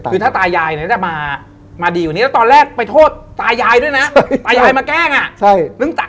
คือถ้าตายายเนี่ยจะมาดีกว่านี้แล้วตอนแรกไปโทษตายายด้วยนะตายายมาแกล้งอ่ะ